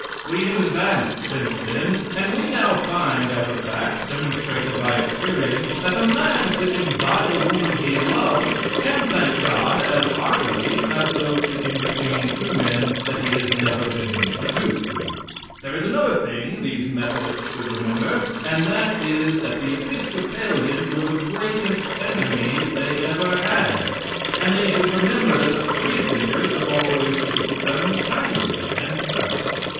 We have advanced since then, and we now find as a fact, demonstrated by experience, that a man sitting by the woman he loves can thank God as heartily as though sitting between two men that he has never been introduced to. There is another thing these Methodists should remember, and that is, that the Episcopalians were the greatest enemies they ever had. And they should remember that the Free Thinkers have always treated them kindly and well.